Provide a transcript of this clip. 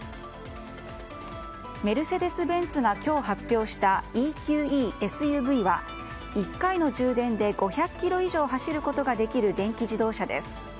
メルセデス・ベンツが今日発表したＥＱＥＳＵＶは１回の充電で５００ｋｍ以上走ることができる電気自動車です。